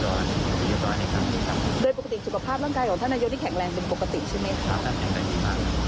โดยปกติสุขภาพร่างกายของท่านนายกที่แข็งแรงเป็นปกติใช่ไหมครับ